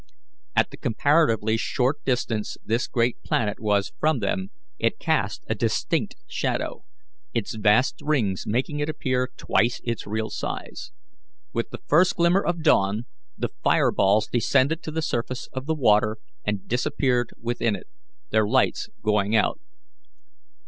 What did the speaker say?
At the comparatively short distance this great planet was from them, it cast a distinct shadow, its vast rings making it appear twice its real size. With the first glimmer of dawn, the fire balls descended to the surface of the water and disappeared within it, their lights going out.